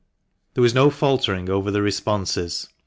There was no faltering over the responses.